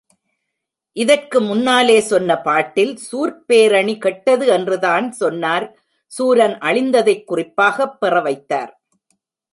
இதற்கு முன்னாலே, சொன்ன பாட்டில், சூர்ப்பேரணி கெட்டது என்றுதான் சொன்னார் சூரன் அழிந்ததைக் குறிப்பாகப் பெற வைத்தார்.